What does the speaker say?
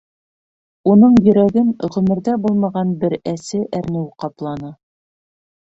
Уның йөрәген ғүмерҙә булмаған бер әсе әрнеү ҡапланы.